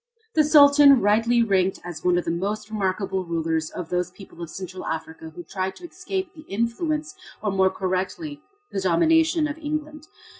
This Sultan rightly ranked as one of the most remarkable rulers of those people of Central Africa who try to escape the influence, or more correctly the domination of England.